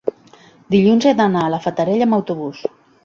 dilluns he d'anar a la Fatarella amb autobús.